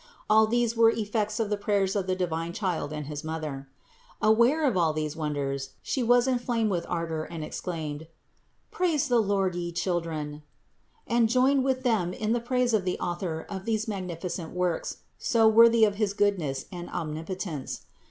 All these were effects of the prayers of the divine Child and his Mother. Aware of all these wonders, She was inflamed with ardor and exclaimed: "Praise the Lord, ye children" ; and joined with them in the praise of the Author of these magnificent works, so worthy of his Goodness and Omnipotence.